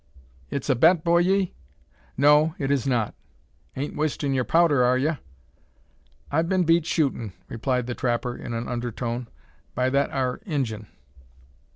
"It's a bet, boyee?" "No, it is not." "Ain't wastin' yur powder, ar yur?" "I've been beat shootin'," replied the trapper, in an undertone, "by that 'ar Injun."